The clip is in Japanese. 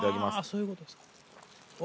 そういうことですか。